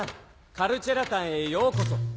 カルチェラタンへようこそ。